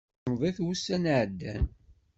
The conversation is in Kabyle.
Semmḍit wussan iɛeddan.